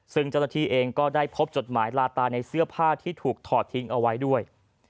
ซึ่งเจ้าหน้าที่เองก็ได้พบจดหมายลาตาในเสื้อผ้าที่ถูกถอดทิ้งเอาไว้ด้วย